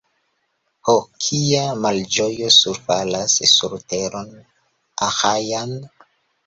Ho, kia malĝojo surfalas sur teron Aĥajan!